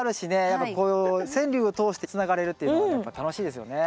やっぱこう川柳を通してつながれるっていうのはやっぱ楽しいですよね。